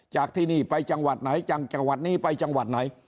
จากที่นี่ไปจังหวัดไหนจังจังหวัดนี้ไปจังหวัดไหน